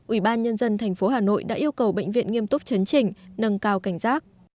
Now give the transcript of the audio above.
ủy ban nhân dân tp hà nội đã yêu cầu bệnh viện nghiêm túc chấn chỉnh nâng cao cảnh giác